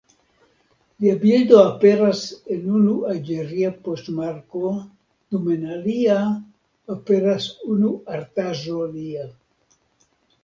Lia bildo aperas en unu alĝeria poŝtmarko dum en alia aperas unu artaĵo lia.